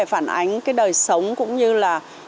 phản ánh cái đời sống cũng như là